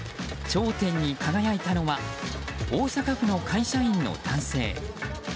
頂点に輝いたのは大阪府の会社員の男性。